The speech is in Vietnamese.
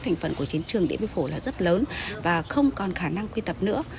thành phần của chiến trường địa mỹ phổ là rất lớn và không còn khả năng quy tập nữa